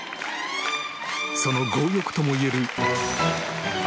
その強欲とも言える飽く